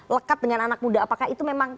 lekat dengan anak muda apakah itu memang